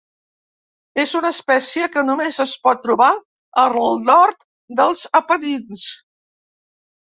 És una espècie que només es pot trobar al nord dels Apenins.